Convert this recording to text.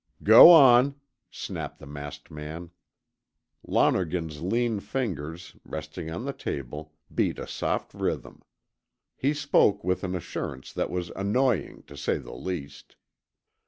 "Go on," snapped the masked man. Lonergan's lean fingers, resting on the table, beat a soft rhythm. He spoke with an assurance that was annoying, to say the least.